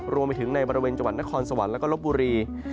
รวมไปถึงในบริเวณจังหวัดนครสวรรค์แล้วก็ลบบุรี